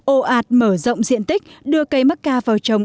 ồ ạt mở rộng diện tích đưa cây macca vào trồng